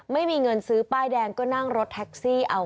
ไม่มีเงินซื้อป้ายแดงก็นั่งรถแท็กซี่เอา